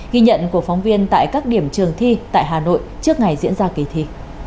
ghi nhận của phóng viên tại các điểm trường thi tại hà nội trước ngày diễn ra kỳ thi